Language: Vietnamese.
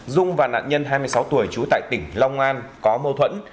dung và nạn nhân hai mươi sáu tuổi trú tại tỉnh long an có mâu thuẫn